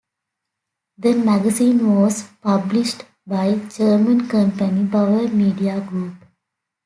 The magazine was published by German company Bauer Media Group.